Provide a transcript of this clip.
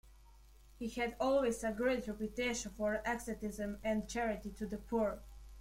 He had always a great reputation for asceticism and charity to the poor.